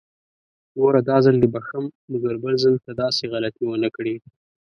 ګوره! داځل دې بښم، مګر بل ځل ته داسې غلطي ونکړې!